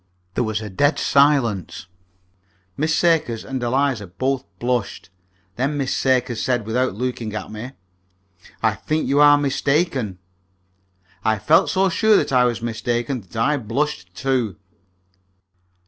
There was a dead silence. Miss Sakers and Eliza both blushed. Then Miss Sakers said, without looking at me, "I think you are mistaken." I felt so sure that I was mistaken that I blushed, too.